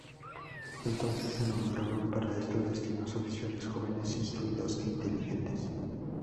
Entonces se nombraban para estos destinos oficiales jóvenes, instruidos e inteligentes.